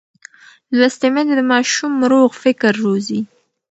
لوستې میندې د ماشوم روغ فکر روزي.